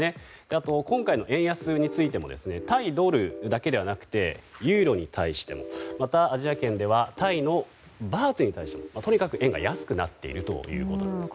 あと、今回の円安についても対ドルだけではなくてユーロに対してもまた、アジア圏ではタイのバーツに対してもとにかく円が安くなっているということなんですね。